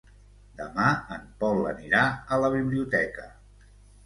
Demà en Pol anirà a la biblioteca.